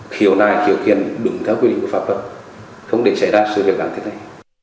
khi hồi này kiểu kiện đứng theo quyết định pháp luật không để xảy ra sự việc làm thế này